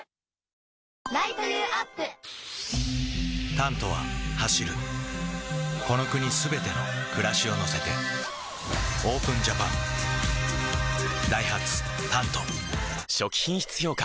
「タント」は走るこの国すべての暮らしを乗せてＯＰＥＮＪＡＰＡＮダイハツ「タント」初期品質評価